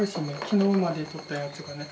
昨日までとったやつがね。